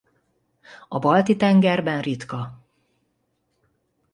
A Balti-tengerben ritka.